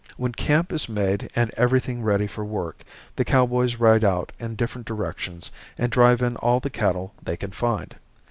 When camp is made and everything ready for work the cowboys ride out in different directions and drive in all the cattle they can find.